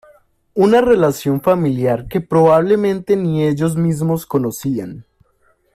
Una relación familiar que probablemente ni ellos mismos conocían.